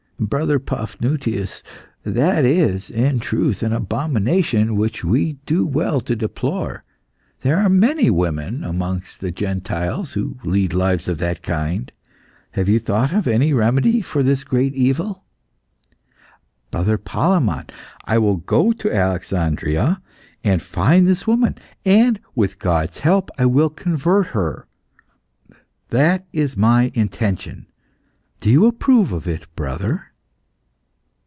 "Brother Paphnutius, that is, in truth, an abomination which we do well to deplore. There are many women amongst the Gentiles who lead lives of that kind. Have you thought of any remedy for this great evil?" "Brother Palemon, I will go to Alexandria and find this woman, and, with God's help, I will convert her; that is my intention; do you approve of it, brother?"